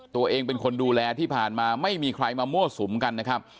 ตัวเองเป็นคนดูแลที่ผ่านมาไม่มีใครมามั่วสุมกันนะครับ